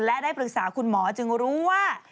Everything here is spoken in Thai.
และได้ปรึกษาคุณหมอจึงรู้ว่า